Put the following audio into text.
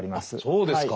そうですか。